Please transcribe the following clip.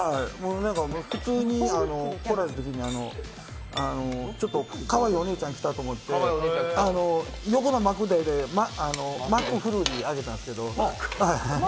普通に来られたときに、ちょっとかわいいお姉ちゃん来たと思って、横のマクドでマックフルーリーあげたんですけど。